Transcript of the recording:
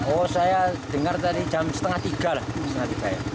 oh saya dengar tadi jam setengah tiga lah